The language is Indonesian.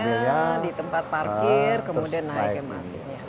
nah di tempat parkir kemudian naik mrt nya